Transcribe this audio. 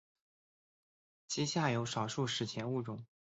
其下有少数史前物种。